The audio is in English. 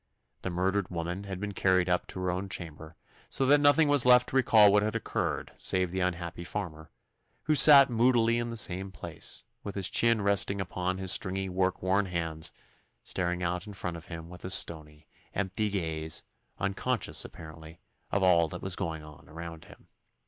The murdered woman had been carried up to her own chamber, so that nothing was left to recall what had occurred, save the unhappy farmer, who sat moodily in the same place, with his chin resting upon his stringy work worn hands, staring out in front of him with a stony, empty gaze, unconscious apparently of all that was going on around him.